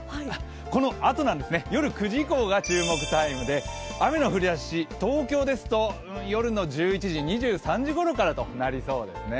このあとなんですね、夜９時以降が注目タイムで雨の降りだし東京ですと夜の１１時、２３時ごろからとなりそうですね。